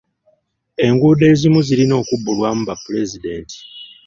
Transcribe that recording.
Enguudo ezimu zirina okubbulwamu bapulezidenti.